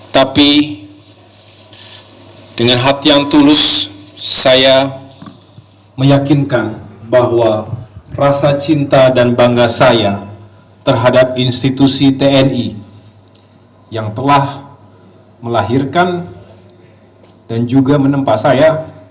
tapi dengan hati yang tulus saya meyakinkan bahwa rasa cinta dan bangga saya terhadap institusi tni yang telah melahirkan dan juga menempa saya